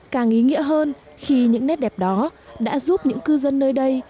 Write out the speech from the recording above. càng ý nghĩa hơn khi những nét đẹp đó đã giúp những cư dân nơi đây